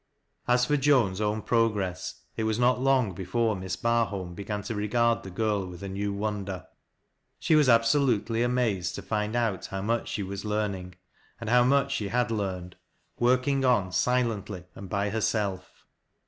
As for Joan's own progress, it was not long before Miss Barholm began to regard the girl with a new wonder She was absolutely amazed to find out how much she was learning, and how much she had learned, working on silently and by herself.